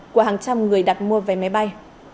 của hàng trăm người đặt mua vé máy bay